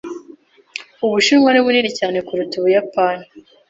Ubushinwa ni bunini cyane kuruta Ubuyapani.